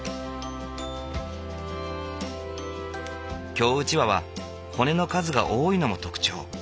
京うちわは骨の数が多いのも特徴。